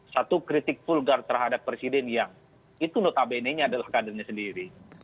satu kritik vulgar terhadap presiden yang itu notabene nya adalah kadernya sendiri